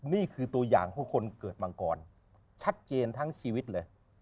นี่คือตัวอย่างของคนเกิดมังกรชัดเจนทั้งชีวิตเลย